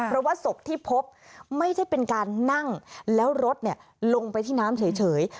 เพราะว่าศพที่พบไม่ใช่เป็นการนั่งแล้วรถลงไปที่น้ำเฉย